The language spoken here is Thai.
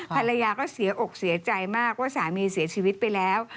ภรรยาก็เสียอกเสียใจมากว่าสามีเสียชีวิตไปแล้ว